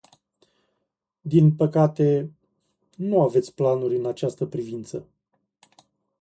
Din păcate, nu aveți planuri în această privință.